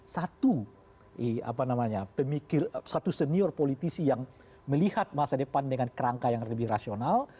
satu senior politisi yang melihat masa depan dengan kerangka yang lebih rasional